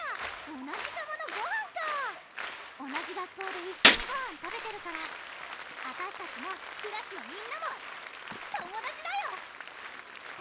同じ釜のごはんか同じ学校で一緒にごはん食べてるからあたしたちもクラスのみんなも友達だよ！